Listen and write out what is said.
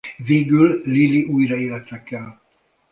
Végül Lilli újra életre kel.